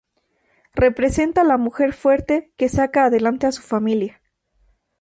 Representa a la mujer fuerte que saca adelante a su familia.